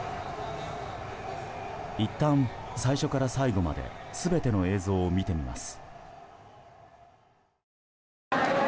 いったん最初から最後まで全ての映像を見てみます。